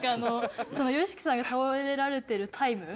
そのＹＯＳＨＩＫＩさんが倒れられてるタイム？